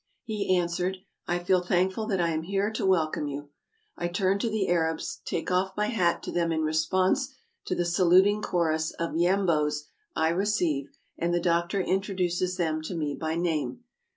'' He answered : "I feel thank ful that I am here to welcome you." I turn to the Arabs, take off my hat to them in response to the saluting chorus of " Yambos " I receive, and the doctor introduces them to me by name.